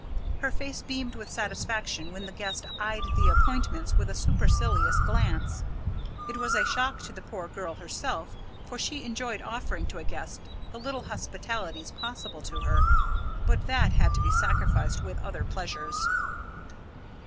Her face beamed with satisfaction when the guest eyed the appointments with a supercilious glance. It was a shock to the poor girl herself, for she enjoyed offering to a guest the little hospitalities possible to her; but that had to be sacrificed with other pleasures.